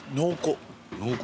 濃厚。